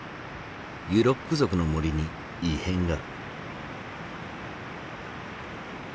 ユロック族の森に異変が。